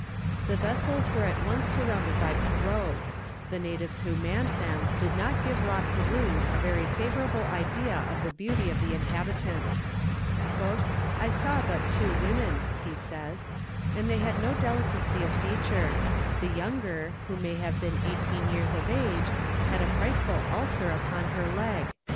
The vessels were at once surrounded by pirogues. The natives who manned them did not give La Perouse a very favourable idea of the beauty of the inhabitants. "I saw but two women," he says, "and they had no delicacy of feature; the younger, who may have been eighteen years of age, had a frightful ulcer upon her leg.